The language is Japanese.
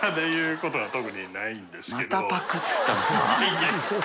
いやいや